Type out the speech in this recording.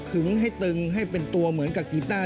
ึงให้ตึงให้เป็นตัวเหมือนกับกีต้า